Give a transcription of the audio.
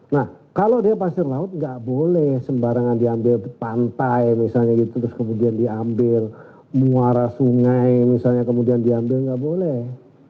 nah kalau dia pasir laut nggak boleh sembarangan diambil pantai misalnya gitu terus kemudian diambil muara sungai misalnya kemudian diambil nggak boleh